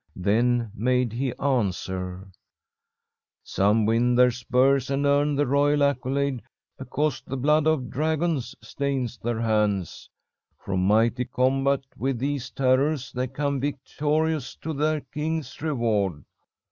Then made he answer: "'Some win their spurs and earn the royal accolade because the blood of dragons stains their hands. From mighty combat with these terrors they come victorious to their king's reward.